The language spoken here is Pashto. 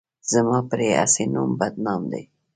زما پرې هسې نوم بدنام دی.